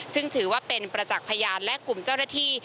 ซึ่งถือว่าเป็นประจักษ์พยานและกลุ่มเจ้าหน้าที่